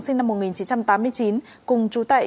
sinh năm một nghìn chín trăm tám mươi chín cùng chú tại